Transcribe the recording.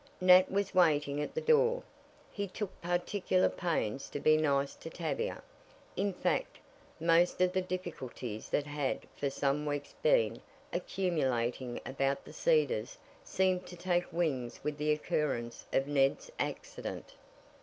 Nat was waiting at the door. He took particular pains to be nice to Tavia. In fact, most of the difficulties that had for some weeks been accumulating about The Cedars seemed to take wings with the occurrence of Ned's accident.